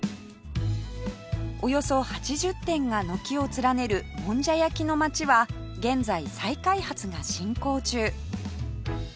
およそ８０店が軒を連ねるもんじゃ焼きの街は現在再開発が進行中